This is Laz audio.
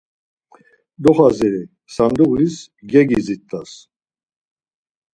Doxaziri, sanduğis gegidzit̆as